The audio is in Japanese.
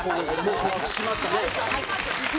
はい。